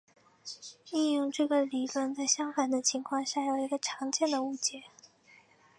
应用这个理论在相反的情况下有一个常见的误解。